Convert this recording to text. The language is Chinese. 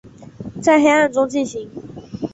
在黑暗中进行